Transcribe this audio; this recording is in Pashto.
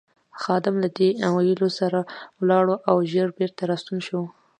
خادم له دې ویلو سره ولاړ او ژر بېرته راستون شو.